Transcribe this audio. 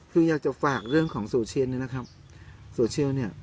คืออยากจะฝากเรื่องของโซเชียลเนี่ยนะครับโซเชียลเนี่ย